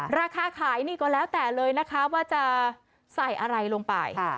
ราคาขายนี่ก็แล้วแต่เลยนะคะว่าจะใส่อะไรลงไป